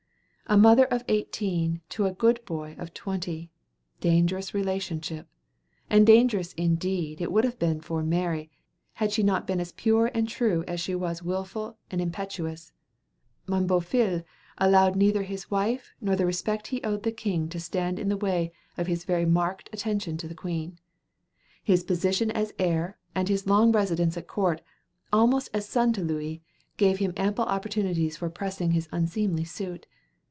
A mother of eighteen to a "good boy" of twenty two! Dangerous relationship! And dangerous, indeed, it would have been for Mary, had she not been as pure and true as she was wilful and impetuous. "Mon beau fils" allowed neither his wife nor the respect he owed the king to stand in the way of his very marked attention to the queen. His position as heir, and his long residence at court, almost as son to Louis, gave him ample opportunities for pressing his unseemly suit.